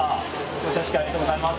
表彰式ありがとうございます。